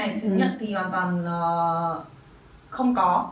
cái này chứng nhận thì hoàn toàn là không có